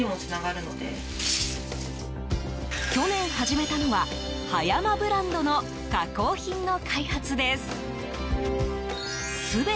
去年始めたのは葉山ブランドの加工品の開発です。